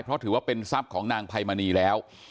เพราะถือว่าเป็นทรัพย์ของนางไพมณีแล้ว